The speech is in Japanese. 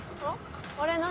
あれ何？